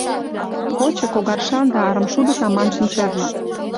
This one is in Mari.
— Кочо когаршан да арымшудо таман шинчавӱд.